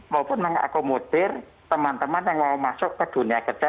maupun mengakomodir teman teman yang mau masuk ke dunia kerja